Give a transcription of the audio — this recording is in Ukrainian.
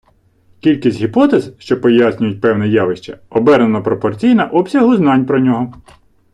Кількість гіпотез, що пояснюють певне явище, обернено пропорційна обсягу знань про нього.